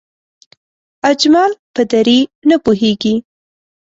اجمل په دری نه پوهېږي